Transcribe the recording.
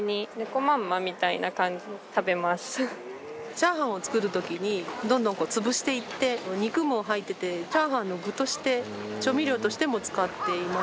チャーハンを作る時にどんどんこう潰していって肉も入っててチャーハンの具として調味料としても使っています。